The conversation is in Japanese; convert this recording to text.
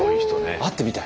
会ってみたい？